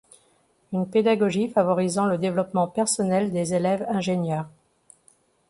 Une pédagogie favorisant le développement personnel des élèves ingénieurs.